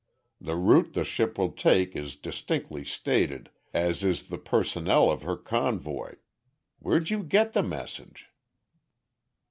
The route the ship will take is distinctly stated, as is the personnel of her convoy. Where'd you get the message?"